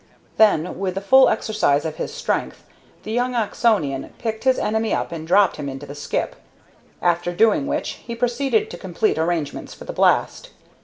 Then, with the full exercise of his strength, the young Oxonian picked his enemy up and dropped him into the skip. After doing which he proceeded to complete arrangements for the blast.